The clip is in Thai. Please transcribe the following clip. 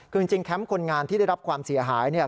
คือจริงแคมป์คนงานที่ได้รับความเสียหายเนี่ย